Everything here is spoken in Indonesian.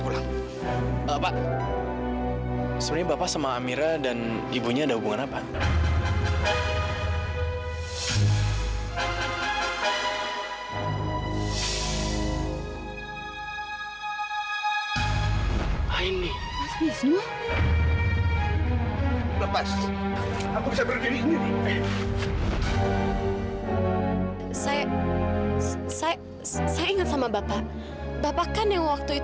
dan siapa yang nulis ini